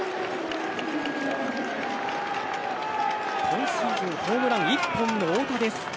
今シーズンホームラン１本の太田です。